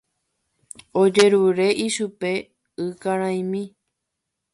Ojerure ichupe ykaraimi.